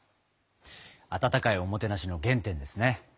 温かいおもてなしの原点ですね。